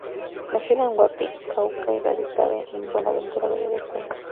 Nacida en Guapi, Cauca y radicada en Buenaventura, Valle del Cauca.